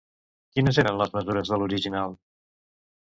Quines eren les mesures de l'original?